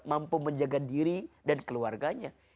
mampu menjaga diri dan keluarganya